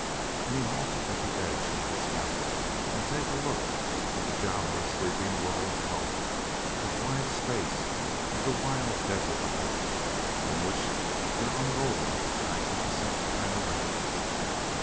And he halted at the edge to dismount and take a look at that downward sweeping world of color, of wide space, at the wild desert upland which from there unrolled its magnificent panorama.